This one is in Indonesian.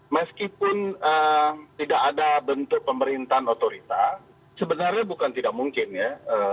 meskipun tidak ada bentuk pemerintahan otorita sebenarnya bukan tidak mungkin ya